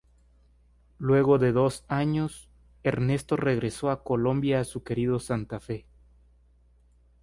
Luego de dos años, Ernesto regresó a Colombia a su querido Santa Fe.